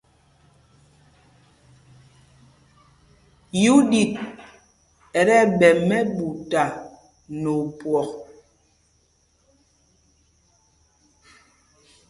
Yúɗit ɛ́ tí ɛɓɛ mɛ́ɓuta nɛ opwɔk.